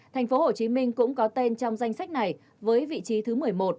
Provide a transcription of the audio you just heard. tp hcm cũng có tên trong danh sách này với vị trí thứ một mươi một